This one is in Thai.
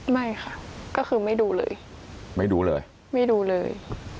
ไม่ค่ะก็คือไม่ดูเลยไม่ดูเลยไม่ดูเลย